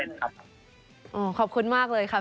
อยากจะทำของฟุตบอลบ้างก็ไม่เสียหาย